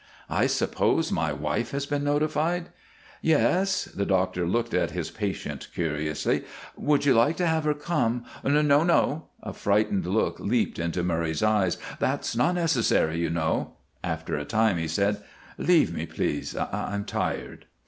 "I suppose my wife has been notified?" "Yes." The doctor looked at his patient curiously. "Would you like to have her come " "No, no!" A frightened look leaped into Murray's eyes. "That's not necessary, you know." After a time he said: "Leave me, please. I'm tired."